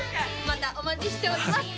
またお待ちしております